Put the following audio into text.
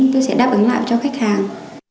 tôi sẽ đáp ứng lại cho khách hàng